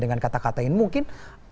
dengan kata katain mungkin